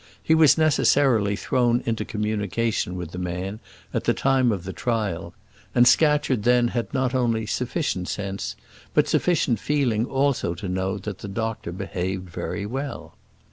He was necessarily thrown into communication with the man at the time of the trial, and Scatcherd then had not only sufficient sense, but sufficient feeling also to know that the doctor behaved very well.